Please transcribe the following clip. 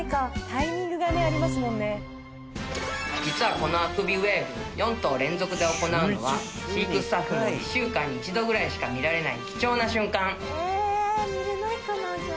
実はこのあくびウェーブ４頭連続で行うのは飼育スタッフも１週間に１度ぐらいしか見られない貴重な瞬間